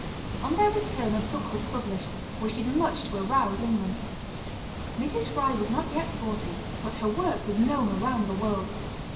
On their return a book was published, which did much to arouse England. Mrs. Fry was not yet forty, but her work was known round the world.